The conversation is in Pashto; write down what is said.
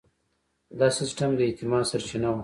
دا سیستم د اعتماد سرچینه وه.